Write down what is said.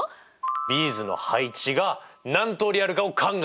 ビーズの配置が何通りあるかを考える。